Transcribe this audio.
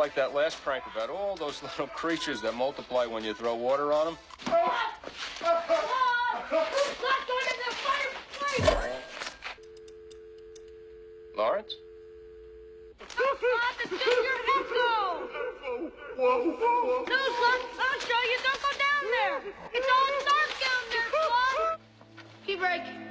はい。